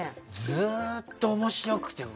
ずっと面白くて。